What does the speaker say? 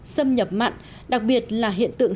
xâm nhập mặn đặc biệt là hiện tượng